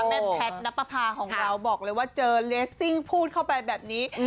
แม่แพทย์นับประพาของเราบอกเลยว่าเจอเลสซิ่งพูดเข้าไปแบบนี้